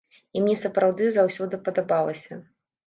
І мне сапраўды заўсёды падабалася.